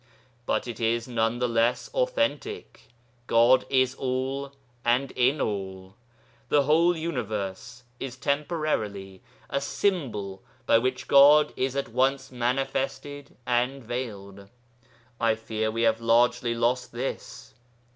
But it is none the less authentic, 'God is all and in all'; the whole Universe is temporarily a symbol by which God is at once manifested and veiled. I fear we have largely lost this.